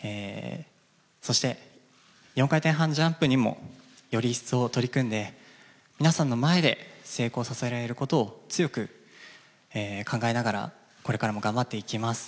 そして４回転半ジャンプにもより一層取り組んで皆さんの前で成功させられることを強く考えながらこれからも頑張っていきます。